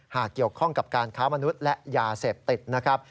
เกี่ยวข้องกับการค้ามนุษย์และยาเสพติดนะครับ